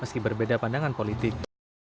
meski berbeda pandangan politik